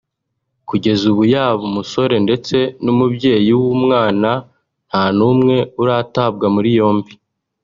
kugeza ubu yaba umusore ndetse n'umubyeyi w'umwana nta n'umwe uratabwa muri yombi